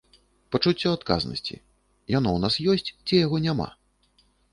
Пачуццё адказнасці, яно ў нас ёсць ці яго няма?